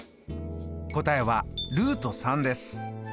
答えはです。